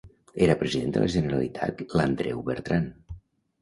Era President de la Generalitat l'Andreu Bertran.